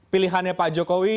pilihannya pak jokowi